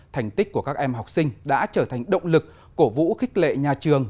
thành tích của các em học sinh đã trở thành động lực cổ vũ khích lệ nhà trường